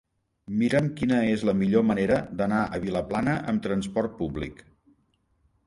Mira'm quina és la millor manera d'anar a Vilaplana amb trasport públic.